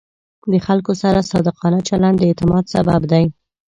د خلکو سره صادقانه چلند د اعتماد سبب دی.